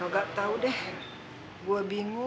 gak tau deh gue bingung